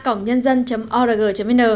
còn bây giờ xin chào và hẹn gặp lại quý vị